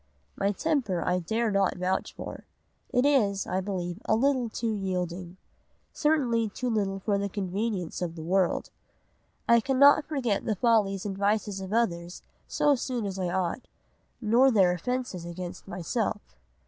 My temper I dare not vouch for. It is, I believe, too little yielding; certainly too little for the convenience of the world. I cannot forget the follies and vices of others so soon as I ought, nor their offences against myself.